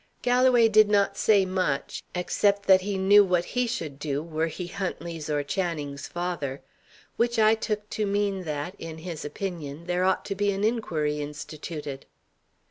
"Galloway did not say much except that he knew what he should do, were he Huntley's or Channing's father. Which I took to mean that, in his opinion, there ought to be an inquiry instituted."